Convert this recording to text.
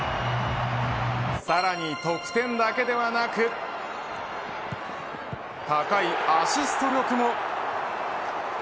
さらに得点だけではなく高いアシスト力も。